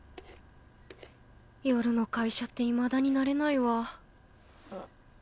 夜の会社っていまだに慣れないわ